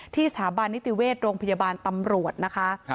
สถาบันนิติเวชโรงพยาบาลตำรวจนะคะ